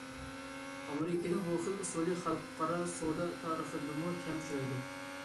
ئامېرىكىنىڭ بۇ خىل ئۇسۇلى خەلقئارا سودا تارىخىدىمۇ كەم ئۇچرايدۇ.